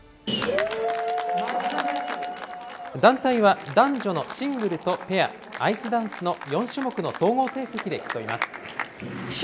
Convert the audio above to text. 団体は、男女のシングルとペア、アイスダンスの４種目の総合成績で競います。